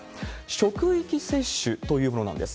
職域接種というものなんです。